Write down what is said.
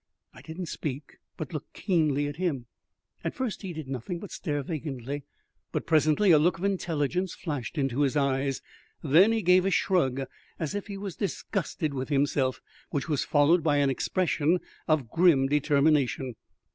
I didn't speak, but looked keenly at him. At first he did nothing but stare vacantly, but presently a look of intelligence flashed into his eyes. Then he gave a shrug, as if he was disgusted with himself, which was followed by an expression of grim determination.